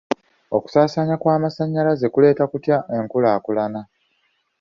Okusaasaanya kw'amasannyalaze kuleeta kutya enkulaakulana?